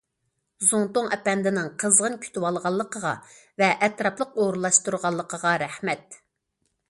زۇڭتۇڭ ئەپەندىنىڭ قىزغىن كۈتۈۋالغانلىقىغا ۋە ئەتراپلىق ئورۇنلاشتۇرغانلىقىغا رەھمەت.